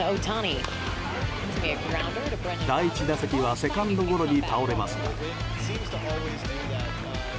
第１打席はセカンドゴロに倒れますが。